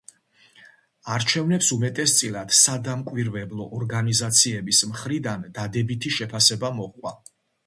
არჩევნებს უმეტესწილად, სადამკვირვებლო ორგანიზაციების მხრიდან დადებითი შეფასება მოჰყვა.